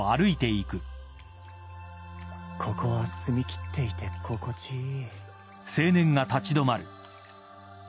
ここは澄みきっていて心地いい。